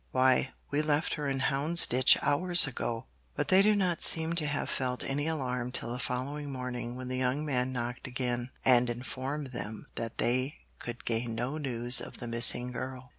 'Why, we left her in Houndsditch hours ago.' But they do not seem to have felt any alarm till the following morning when the young man knocked again, and informed them that they could gain no news of the missing girl.